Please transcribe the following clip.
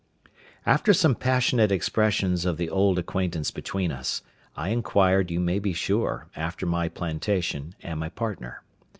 After some passionate expressions of the old acquaintance between us, I inquired, you may be sure, after my plantation and my partner.